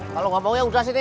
kalau gak mau ya udah sini